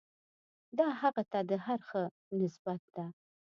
دا هغه ته د هر ښه نسبت ده.